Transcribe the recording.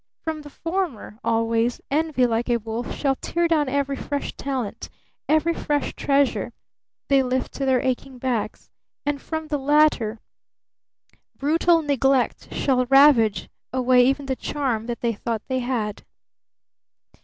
From the former always, Envy, like a wolf, shall tear down every fresh talent, every fresh treasure, they lift to their aching backs. And from the latter Brutal Neglect shall ravage away even the charm that they thought they had!